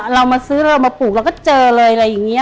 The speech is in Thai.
เรามาซื้อเรามาปลูกเราก็เจอเลยอะไรอย่างนี้